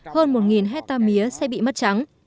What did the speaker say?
hơn một hectare mía sẽ bị mất trắng